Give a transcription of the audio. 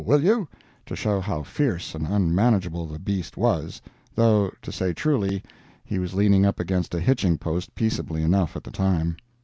will you!" to show how fierce and unmanageable the beast was—though, to say truly, he was leaning up against a hitching post peaceably enough at the time.